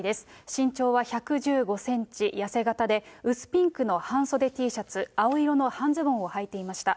身長は１１５センチ、痩せ形で薄ピンクの半袖Ｔシャツ、青色の半ズボンをはいていました。